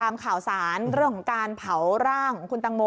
ข่าวสารเรื่องของการเผาร่างของคุณตังโม